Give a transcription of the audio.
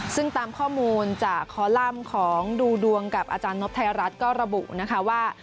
ซึ่งตามข้อมูลจากคอลัมป์ของดูดวงกับอาจารย์นพไทยรัฐก็ระบุนะคะว่า